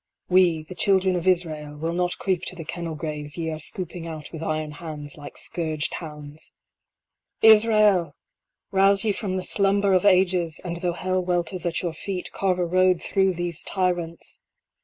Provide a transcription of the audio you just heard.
We, the Children of Israel, will not creep to the kennel graves ye are scooping out with iron hands, like scourged hounds ! Israel ! rouse ye from the slumber of ages, and, though Hell welters at your feet, carve a road through these tyrants ! HEAR, ISRAEL!